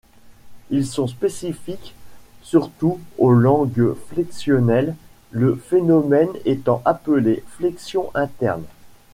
Ils sont spécifiques surtout aux langues flexionnelles, le phénomène étant appelé flexion interne.